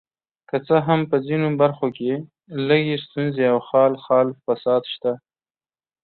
که څه هم په ځینو برخو کې لږې ستونزې او خال خال فساد شته.